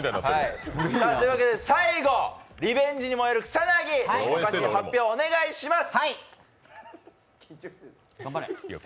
最後、リベンジに燃える草薙お菓子の発表お願いします。